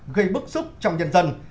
gây bức xúc trong nhân dân